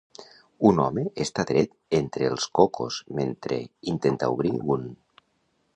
Un home està dret entre els cocos mentre intenta obrir un.